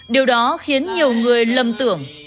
điều đó khiến nhiều người lầm tưởng